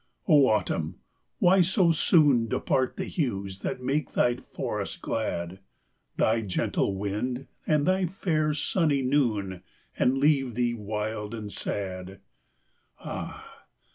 Oh, Autumn! why so soon Depart the hues that make thy forests glad; Thy gentle wind and thy fair sunny noon, And leave thee wild and sad! Ah!